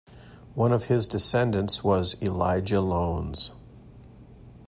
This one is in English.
One of his descendants was Elijah Loans.